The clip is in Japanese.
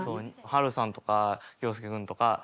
はるさんとか恭佑君とか。